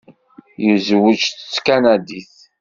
Yezweǧ d tkanadit.